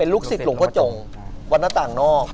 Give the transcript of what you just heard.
ลูกศิษย์หลวงพ่อจงวัดหน้าต่างนอก